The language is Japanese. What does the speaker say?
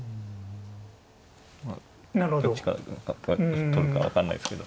まあどっちから行くのか取るか分かんないですけど。